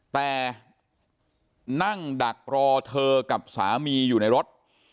แต่นั่งดักรอเธอกับสามีอยู่ในรถ